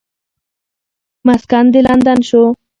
مسکن دې لندن شو.